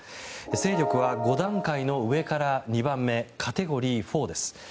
勢力は５段階の上から２番目カテゴリー４です。